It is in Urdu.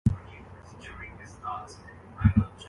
یعنی وہ نچلے درجے کے شہری رہیں گے۔